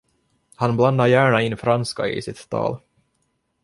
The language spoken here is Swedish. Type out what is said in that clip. Han blandade gärna in franska i sitt tal.